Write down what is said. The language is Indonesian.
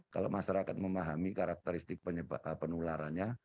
kalau masyarakat memahami karakteristik penularannya